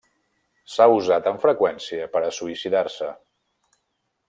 S’ha usat amb freqüència per a suïcidar-se.